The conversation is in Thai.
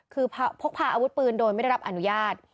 คือพกพาอาวุธปืนโดยไม่ได้รับอนุญาต